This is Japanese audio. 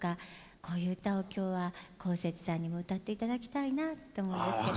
こういう歌を今日はこうせつさんにも歌っていただきたいなと思うんですけど。